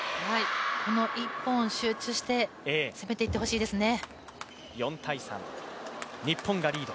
この１本、集中して攻めていってほしいですね。